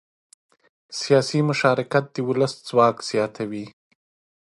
سیاسي مشارکت د ولس ځواک زیاتوي